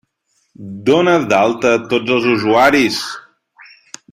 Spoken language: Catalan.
Dona d'alta tots els usuaris!